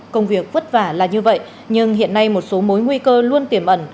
công việc vất vả là như vậy nhưng hiện nay một số mối nguy cơ luôn tiềm ẩn